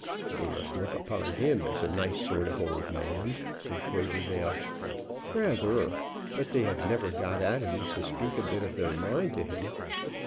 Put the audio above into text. "They must look upon him as a nice sort of old man!" said Quaverdale. "Rather! But they have never got at him to speak a bit of their mind to him.